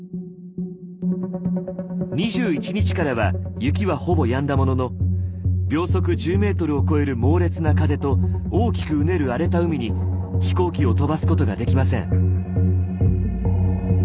２１日からは雪はほぼやんだものの秒速１０ｍを超える猛烈な風と大きくうねる荒れた海に飛行機を飛ばすことができません。